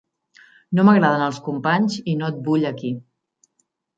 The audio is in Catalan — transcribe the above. No m'agraden els companys i no et vull aquí.